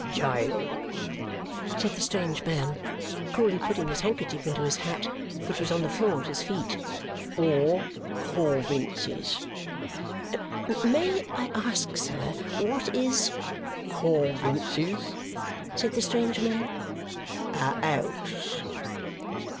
"Jail," said the strange man, coolly putting his handkerchief into his hat, which was on the floor at his feet. "Or Coavinses." "May I ask, sir, what is " "Coavinses?" said the strange man. "A 'ouse."